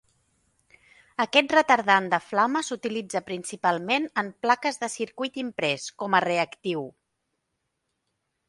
Aquest retardant de flama s'utilitza principalment en plaques de circuit imprès, com a reactiu.